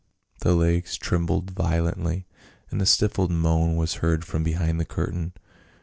The legs trembled violently, and a stifled moan was heard from behind the curtain.